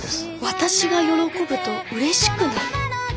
私が喜ぶとうれしくなる？